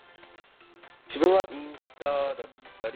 自分はインスタだったり、